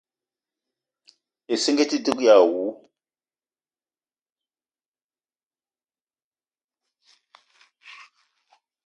Issinga ite dug èè àwu